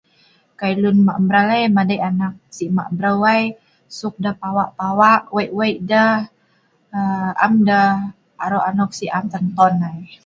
Kai lun ma mbral ai madei anak si' ma brou ai, suk deh pawa' pawa' wei' wei' deh um am deh aro' anok si' am tonton ai